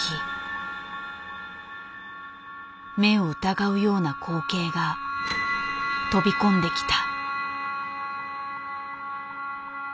目を疑うような光景が飛び込んできた。